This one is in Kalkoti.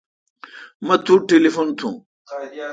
مہ توٹھ ٹلیفون تھوم۔